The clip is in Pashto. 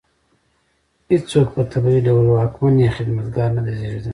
هېڅوک په طبیعي ډول واکمن یا خدمتګار نه دی زېږېدلی.